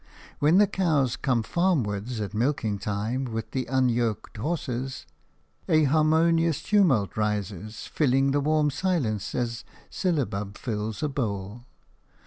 When the cows come farmwards at milking time with the unyoked horses, a harmonious tumult rises, filling the warm silence as syllabub fills a bowl.